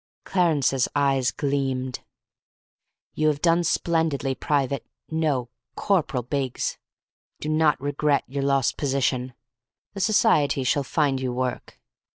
Clarence's eyes gleamed. "You have done splendidly, Private no, Corporal Biggs. Do not regret your lost position. The society shall find you work.